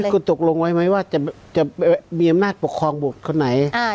คุณตกลงไว้ไหมว่าจะมีอำนาจปกครองบุตรคนไหน